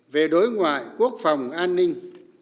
về đối ngoại quốc phòng an ninh